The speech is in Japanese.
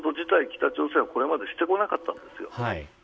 北朝鮮は、これまでしてこなかったんです。